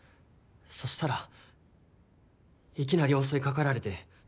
そしたらいきなり襲い掛かられて。